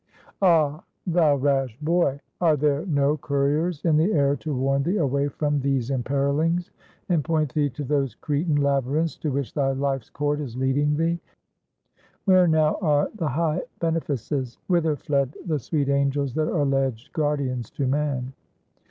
Ah, thou rash boy! are there no couriers in the air to warn thee away from these emperilings, and point thee to those Cretan labyrinths, to which thy life's cord is leading thee? Where now are the high beneficences? Whither fled the sweet angels that are alledged guardians to man?